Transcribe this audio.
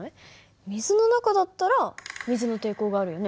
水の中だったら水の抵抗があるよね。